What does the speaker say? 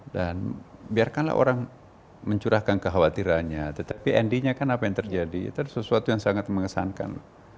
dan biarkanlah orang mencurahkan kekhawatirannya tetapi endingnya kan apa yang terjadi itu sesuatu yang sangat mengesankan